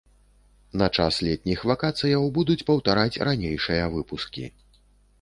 На час летніх вакацыяў будуць паўтараць ранейшыя выпускі.